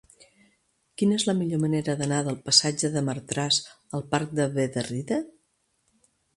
Quina és la millor manera d'anar del passatge de Martras al parc de Bederrida?